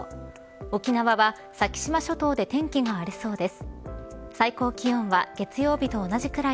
沖縄は先島諸島で天気がありそうです。